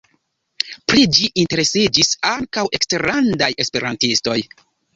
Pri ĝi interesiĝis ankaŭ eksterlandaj esperantistoj.